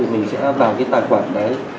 mình sẽ vào cái tài khoản đấy